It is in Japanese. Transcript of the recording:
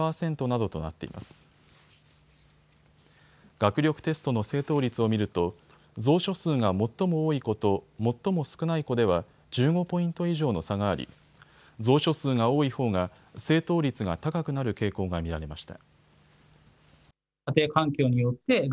学力テストの正答率を見ると蔵書数が最も多い子と最も少ない子では１５ポイント以上の差があり蔵書数が多いほうが正答率が高くなる傾向が見られました。